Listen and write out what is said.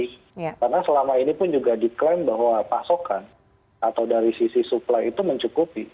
karena selama ini pun juga diklaim bahwa pasokan atau dari sisi supply itu mencukupi